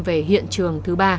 về hiện trường thứ ba